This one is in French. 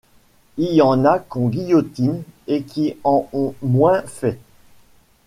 Y en a qu’on guillotine, et qui en ont moins fait. ..